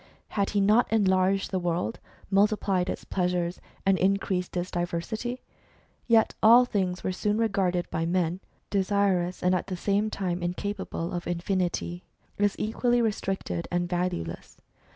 Had he not enlarged the world, multiplied its pleasures, and increased its diversity ? Yet all things were soon regarded by men (desirous and at the same time incapable of infinity) as equally restricted and valueless.